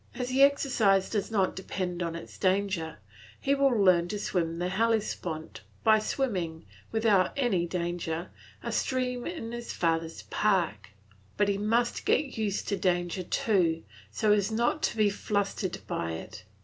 As the exercise does not depend on its danger, he will learn to swim the Hellespont by swimming, without any danger, a stream in his father's park; but he must get used to danger too, so as not to be flustered by it.